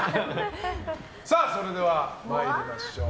それでは参りましょう。